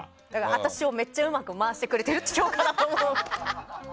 私をめっちゃうまく回してくれてるっていう評価だと思う。